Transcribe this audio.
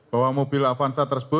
bahwa mobil avanza tersebut